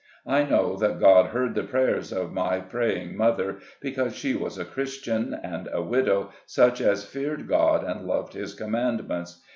I know that God heard the prayers of my praying mother, because she was a Christain, and a widow, such as feared God and loved his commandments.